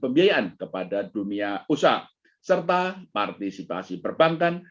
pembiayaan kepada dunia usaha serta partisipasi perbankan